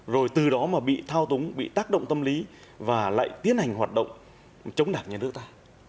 rồi từ đó mà bị thao túng bị tác động tâm lý và lại tiến hành hoạt động chống đạt nhân đức ta